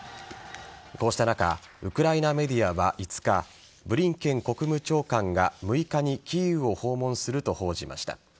こうした中ウクライナメディアは５日ブリンケン国務長官が６日にキーウを訪問すると報じました。